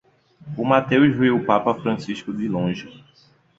O Mateus viu o Papa Francisco de longe.